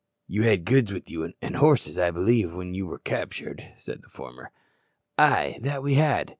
"You had goods with you, and horses, I believe, when you were captured," said the former. "Ay, that we had.